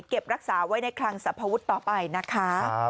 เก็บรักษาไว้ในคลังสรรพวุฒิต่อไปนะคะ